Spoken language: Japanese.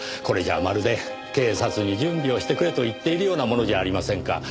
これじゃあまるで警察に準備をしてくれと言っているようなものじゃありませんか。